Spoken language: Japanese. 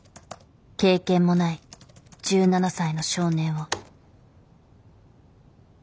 経験もない１７才の少年を。